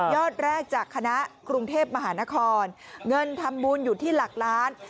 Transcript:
แรกจากคณะกรุงเทพมหานครเงินทำบุญอยู่ที่หลักล้าน